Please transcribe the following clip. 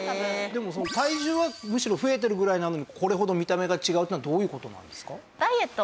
でも体重はむしろ増えてるぐらいなのにこれほど見た目が違うというのはどういう事なんですか？